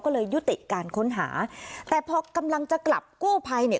ก็เลยยุติการค้นหาแต่พอกำลังจะกลับกู้ภัยเนี่ย